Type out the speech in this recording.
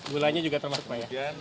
gulanya juga termasuk ya